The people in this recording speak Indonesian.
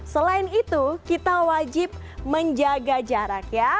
selain itu kita wajib menjaga jarak ya